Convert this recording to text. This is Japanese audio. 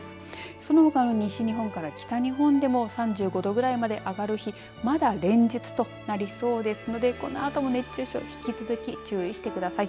そのほかの西日本から北日本にかけても３５度ぐらいまで上がる日まだ連日となりそうですのでこのあとも熱中症引き続き注意してください。